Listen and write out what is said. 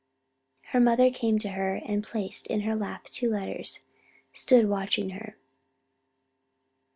Her mother came to her and placed in her lap the two letters, stood watching her.